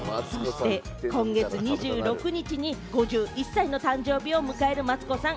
今月２６日に５１歳の誕生日を迎えるマツコさん。